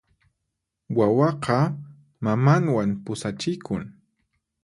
Wawaqa mamanwan pusachikun.